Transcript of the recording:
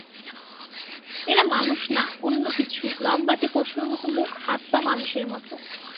এরা মানুষ না, অন্য কিছু-লম্বাটে পশুর মতো মুখ, হাত-পা মানুষের মতো।